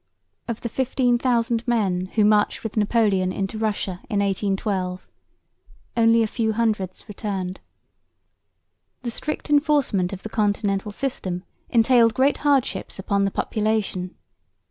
Of the 15,000 men who marched with Napoleon into Russia in 1812 only a few hundreds returned. The strict enforcement of the Continental System entailed great hardships upon the population.